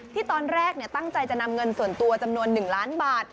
ที่ตอนแรกตั้งใจจะนำเงินส่วนตัวจำนวน๑ล้านบาท